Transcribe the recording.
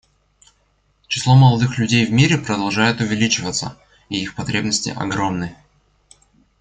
Число молодых людей в мире продолжает увеличиваться, и их потребности огромны.